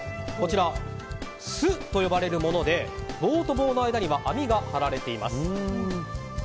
これが「す」と呼ばれるもので棒と棒の間には網が張られています。